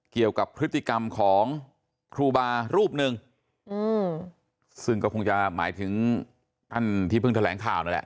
เกี่ยวกับพฤติกรรมของครูบารูปหนึ่งอืมซึ่งก็คงจะหมายถึงท่านที่เพิ่งแถลงข่าวนั่นแหละ